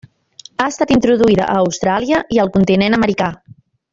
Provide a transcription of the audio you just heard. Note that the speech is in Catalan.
Ha estat introduïda a Austràlia i el continent americà.